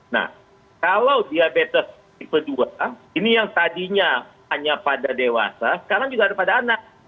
nah kalau diabetes tipe dua ini yang tadinya hanya pada dewasa sekarang juga ada pada anak